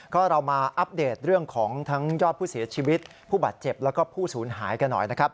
ก็เรามาอัปเดตเรื่องของทั้งยอดผู้เสียชีวิตผู้บาดเจ็บแล้วก็ผู้สูญหายกันหน่อยนะครับ